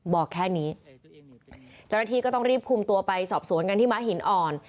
บอกแค่นี้เจ้าหน้าที่ก็ต้องรีบคุมตัวไปสอบสวนกันที่ม้าหินอ่อน